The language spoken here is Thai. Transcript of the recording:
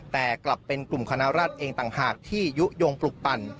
แต่กลับเป็นกลุ่มคณะรัฐเองต่างหากที่ยุโยงปลุกปั่น